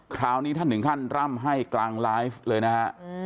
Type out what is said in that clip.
คราวนี้ท่านถึงขั้นร่ำให้กลางไลฟ์เลยนะฮะ